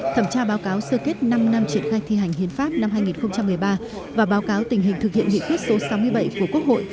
thẩm tra báo cáo sơ kết năm năm triển khai thi hành hiến pháp năm hai nghìn một mươi ba và báo cáo tình hình thực hiện nghị quyết số sáu mươi bảy của quốc hội